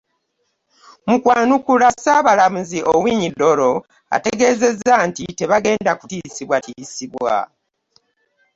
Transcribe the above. Mu kwanukula, Ssaabalamuzi Owiny Dollo ategeezezza nti tebagenda kutiisibwatiisibwa